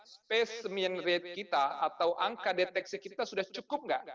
spesimen rate kita atau angka deteksi kita sudah cukup nggak